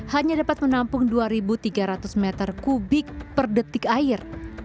hanya dapat menampung dua ribu tiga ratus m tiga per detik air